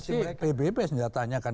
bukan dia masih ppp senjatanya kan